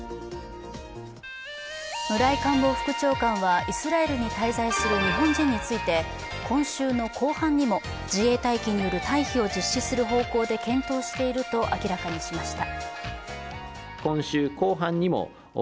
村井官房副長官はイスラエルに滞在する日本人について今週後半にも自衛隊機による退避を実施する方向で検討していると明らかにしました。